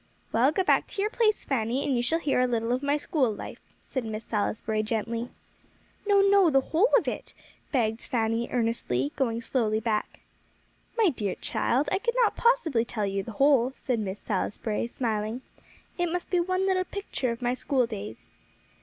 "Well, go back to your place, Fanny, and you shall hear a little of my school life," said Miss Salisbury gently. "No no; the whole of it," begged Fanny earnestly, going slowly back. "My dear child, I could not possibly tell you the whole," said Miss Salisbury, smiling; "it must be one little picture of my school days."